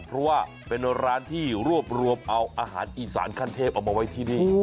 เพราะว่าเป็นร้านที่รวบรวมเอาอาหารอีสานขั้นเทพเอามาไว้ที่นี่